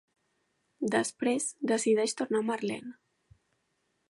Després decideix tornar a Marlene.